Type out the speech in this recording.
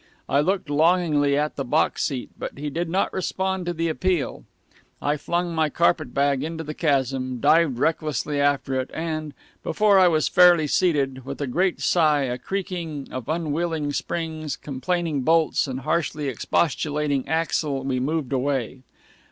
I looked longingly at the box seat, but he did not respond to the appeal. I flung my carpetbag into the chasm, dived recklessly after it, and before I was fairly seated with a great sigh, a creaking of unwilling springs, complaining bolts, and harshly expostulating axle, we moved away.